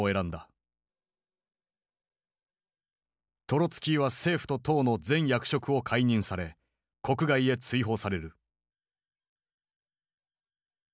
トロツキーは政府と党の全役職を解任され国外へ追放される。